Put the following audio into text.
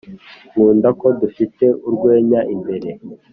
nkunda ko dufite urwenya imbere